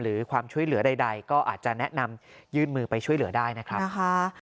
หรือความช่วยเหลือใดก็อาจจะแนะนำยื่นมือไปช่วยเหลือได้นะครับ